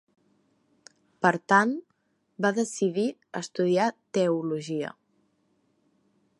Per tant va decidir estudiar teologia.